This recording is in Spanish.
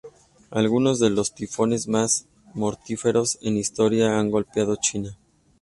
Algunos de los tifones más mortíferos en historia han golpeado China.